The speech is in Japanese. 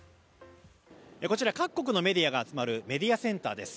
こちら各国のメディアが集まるメディアセンターです。